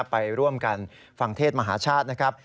ไปร่วมกันฟังเทศมหาชาตินะครับ